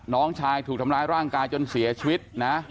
น้องชายถูกทำร้ายร่างกายจนเสียชีวิตนะ